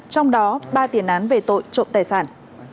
trong đó ba tiền án về tội trộm tài sản